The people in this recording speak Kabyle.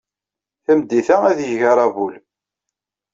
Tameddit-a, ad d-yeg aṛabul.